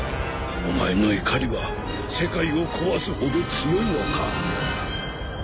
お前の怒りは世界を壊すほど強いのか？